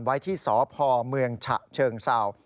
ไว้ที่สพเมืองฉเชิงซาว